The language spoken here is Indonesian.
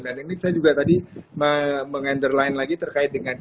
dan ini saya juga tadi meng underline lagi terkait dengan